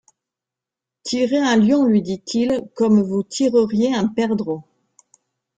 Tirez un lion, lui dit-il, comme vous tireriez un perdreau.